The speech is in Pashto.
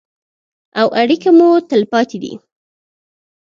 او اړیکې مو تلپاتې دي.